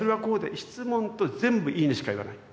質問と全部「いいね」しか言わない。